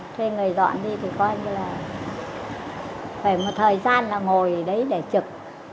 thuê người dọn đi thì coi như là phải một thời gian là ngồi đấy để trực